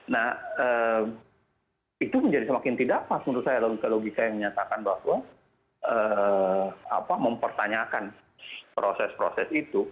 nah itu menjadi semakin tidak pas menurut saya logika logika yang menyatakan bahwa mempertanyakan proses proses itu